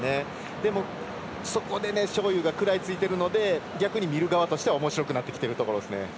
でも、そこで章勇が食らいついてるので逆に見る側としてはおもしろくなってきているところですね。